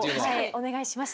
お願いします。